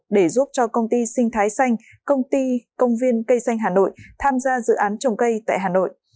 để giúp cho công ty sinh thái xanh công ty công viên cây xanh hà nội tham gia dự án trồng cây tại hà nội